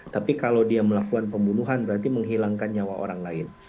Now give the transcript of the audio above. tapi kalau dia melakukan pembunuhan berarti menghilangkan nyawa orang lain